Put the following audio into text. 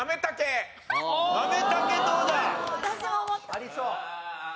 ありそう。